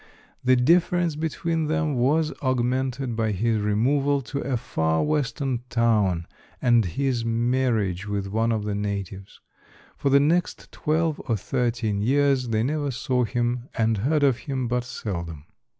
The difference between them was augmented by his removal to a far western town and his marriage with one of the natives. For the next twelve or thirteen years they never saw him and heard of him but seldom.